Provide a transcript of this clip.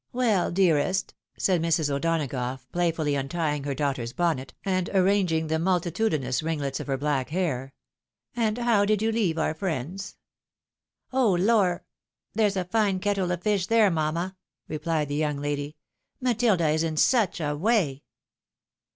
"Well dearest?" said Mrs. O'Donagough, playfully untying her daughter's bonnet, and arranging the multitudinous ringlets of her black hair, —" And how did you leave our friends?" " Oh lor !— There's a fine kettle of fish there, mamma," replied the young lady. " Matilda is in such a way